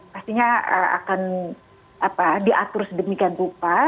pastinya akan diatur sedemikian rupa